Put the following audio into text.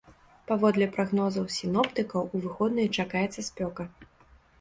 Паводле прагнозаў сіноптыкаў, у выходныя чакаецца спёка.